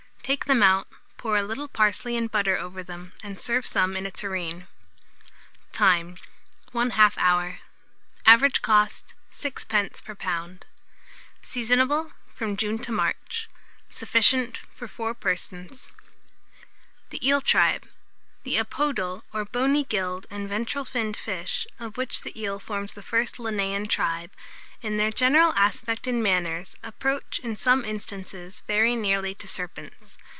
Take them out, pour a little parsley and butter over them, and serve some in a tureen. Time. 1/2 hour. Average cost, 6d. per lb. Seasonable from June to March. Sufficient for 4 persons. [Illustration: THE EEL.] THE EEL TRIBE. The Apodal, or bony gilled and ventral finned fish, of which the eel forms the first Linnaean tribe, in their general aspect and manners, approach, in some instances, very nearly to serpents.